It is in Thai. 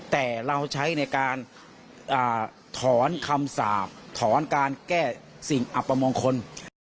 แต่เราใช้ในการถอนคำสาปถอนการแก้สิ่งอัปมงคล